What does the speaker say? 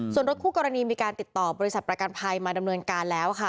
ส่วนรถคู่กรณีมีการติดต่อบริษัทประกันภัยมาดำเนินการแล้วค่ะ